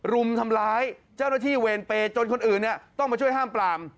รุมทำร้ายเจ้าหน้าที่เวรเปย์จนคนอื่นต้องมาช่วยห้ามปราม